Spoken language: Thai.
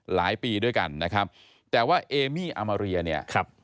หลายปีด้วยกันนะครับแต่ว่าเอมี่อามาเรียเนี่ยครับ